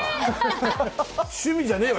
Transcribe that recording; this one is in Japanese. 趣味じゃねえわ！